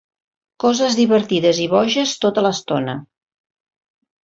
Coses divertides i boges tota l'estona.